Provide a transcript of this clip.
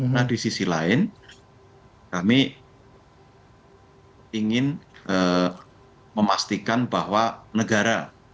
nah di sisi lain kami ingin memastikan bahwa negara